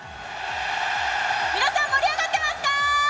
皆さん、盛り上がってますか？